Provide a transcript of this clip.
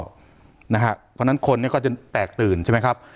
เพราะฉะนั้นคนก็จะแตกตื่นใช่ไหมครับ